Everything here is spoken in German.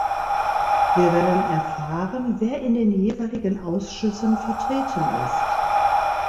Wir werden erfahren, wer in den jeweiligen Ausschüssen vertreten ist.